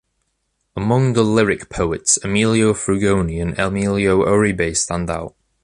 Among the lyric poets, Emilio Frugoni and Emilio Oribe stand out.